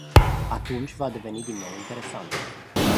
Atunci va deveni din nou interesant.